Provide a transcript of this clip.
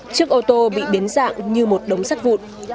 chiếc ô tô bị biến dạng như một đống sắt vụn